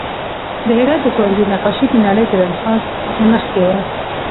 د هرات د ښوونځي نقاشي د نړۍ د رنسانس نه مخکې وه